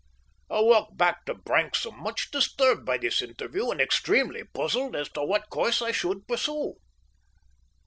I walked back to Branksome much disturbed by this interview, and extremely puzzled as to what course I should pursue.